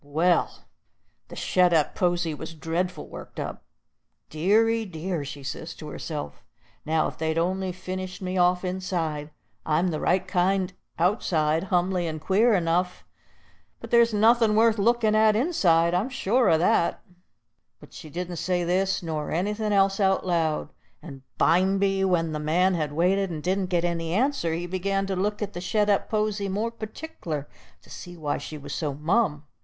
Well, the shet up posy was dreadful worked up. "Deary dear!" she says to herself, "now if they'd on'y finished me off inside! I'm the right kind outside, humly and queer enough, but there's nothin' worth lookin' at inside, I'm certain sure o' that." But she didn't say this nor anything else out loud, and bimeby, when the man had waited, and didn't get any answer, he begun to look at the shet up posy more partic'lar, to see why she was so mum.